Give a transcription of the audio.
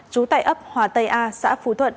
trú tại ấp hòa tây a xã phú thuận